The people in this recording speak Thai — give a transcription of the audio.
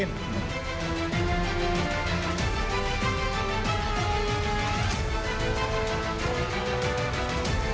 เล่นหวยไหม